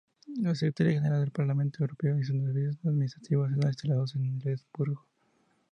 La Secretaría General del Parlamento Europeo y sus servicios administrativos están instalados en Luxemburgo.